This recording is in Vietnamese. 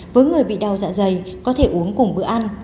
với người bị đau dạ dày có thể uống cùng bữa ăn